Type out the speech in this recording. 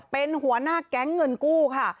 เป็นหัวหน้าแก๊งเงินกู้ค่ะ